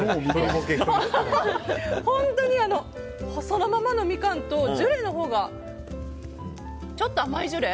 本当に、そのままのミカンとジュレのほうがちょっと甘いジュレ。